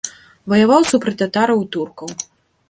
Ваяваў супраць татараў і туркаў.